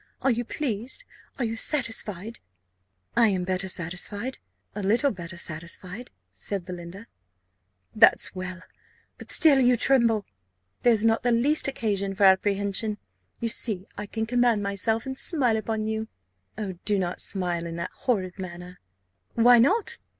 Are you pleased, are you satisfied?" "I am better satisfied a little better satisfied," said Belinda. "That's well; but still you tremble. There's not the least occasion for apprehension you see I can command myself, and smile upon you." "Oh, do not smile in that horrid manner!" "Why not?